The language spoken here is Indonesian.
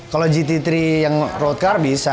kalau gt tiga yang road car bisa